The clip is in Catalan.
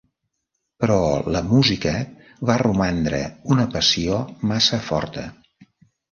Però la música va romandre una passió massa forta.